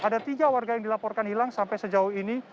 ada tiga warga yang dilaporkan hilang sampai sejauh ini